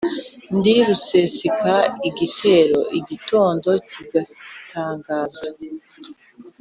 ndi rusesa igitero igitondo kigatangaza.